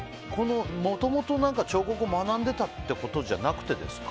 もともと彫刻を学んでたってことじゃなくてですか？